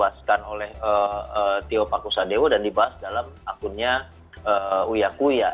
yang diberikan oleh tio pak kusadewo dan dibahas dalam akunnya uyakuya